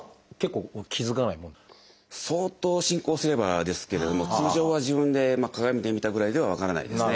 相当進行すればですけれども通常は自分で鏡で見たぐらいでは分からないですね。